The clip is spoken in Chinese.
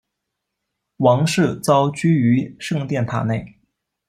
王室遭拘于圣殿塔内。